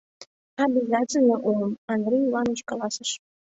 — Обязательно уым, — Андрей Иваныч каласыш.